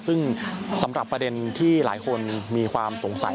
ซึ่งสำหรับประเด็นที่หลายคนมีความสงสัย